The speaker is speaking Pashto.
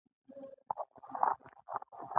خصمانه اړېکو څخه خبر شو.